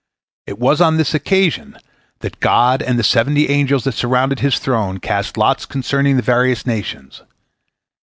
It was on this occasion that God and the seventy angels that surround His throne cast lots concerning the various nations.